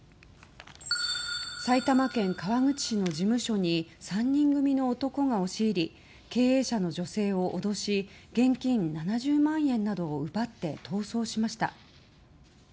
埼玉県川口市の事務所に３人組の男が押し入り経営者の女性を脅し現金７０万円などを奪って逃走しました。